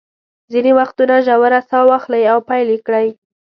ځینې وختونه ژوره ساه واخلئ او پیل یې کړئ.